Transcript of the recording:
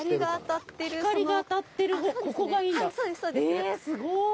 へえすごい。